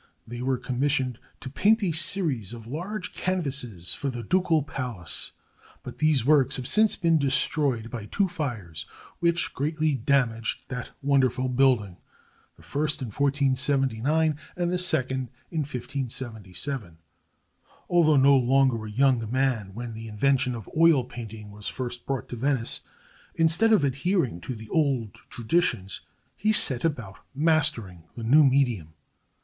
They were commissioned to paint a series of large canvases for the Ducal Palace; but these works have since been destroyed by two fires which greatly damaged that wonderful building, the first in 1479 and the second in 1577. Although no longer a young man when the invention of oil painting was first brought to Venice, instead of adhering to the old traditions he set about mastering the new medium.